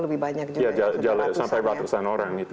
lebih banyak sampai ratusan orang itu